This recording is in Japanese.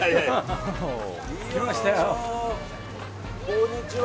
こんにちは。